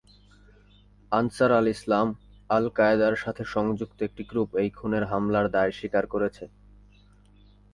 আনসার-আল-ইসলাম, আল-কায়েদার-সাথে সংযুক্ত একটি গ্রুপ এই খুনের হামলার দায় স্বীকার করেছে।